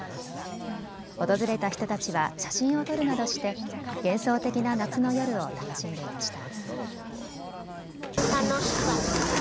訪れた人たちは写真を撮るなどして幻想的な夏の夜を楽しんでいました。